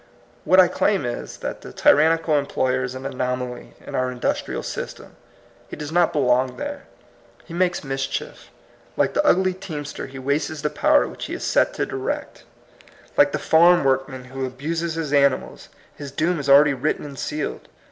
What I claim is, that the tyrannical em ployer is an anomaly in our industrial system. He does not belong there. He makes mischief. Like the ugly teamster, he wastes the power which he is set to direct. Like the farm workman who abuses his animals, his doom is already written and sealed.